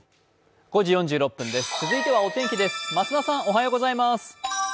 続いてはお天気です。